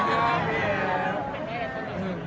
โอเคค่ะ